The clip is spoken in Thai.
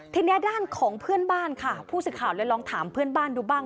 ทีนี้ด้านของเพื่อนบ้านค่ะผู้สื่อข่าวเลยลองถามเพื่อนบ้านดูบ้าง